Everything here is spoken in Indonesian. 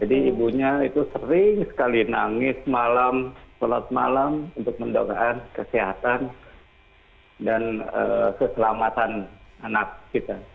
jadi ibunya itu sering sekali nangis malam selat malam untuk mendokteran kesehatan dan keselamatan anak kita